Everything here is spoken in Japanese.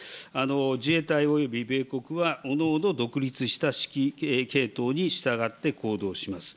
自衛隊および米国は、おのおの独立した指揮系統に従って行動します。